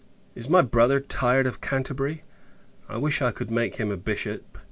Is my brother tired of Canterbury? I wish I could make him a Bishop.